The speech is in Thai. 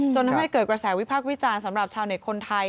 จนทำให้เกิดกระแสวิพากษ์วิจารณ์สำหรับชาวเน็ตคนไทย